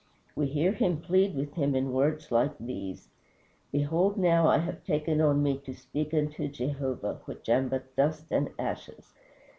We hear him plead with him in words like these; "Behold now, I have taken on me to speak unto Jehovah, which am but dust and ashes